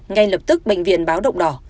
ngay lập tức bệnh viện báo động đỏ